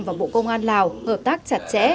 và bộ công an lào hợp tác chặt chẽ